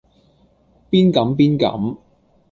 邊敢邊敢